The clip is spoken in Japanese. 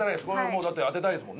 もうだって当てたいですもんね。